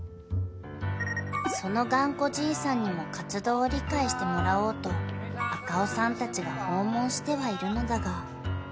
［その頑固じいさんにも活動を理解してもらおうと赤尾さんたちが訪問してはいるのだが］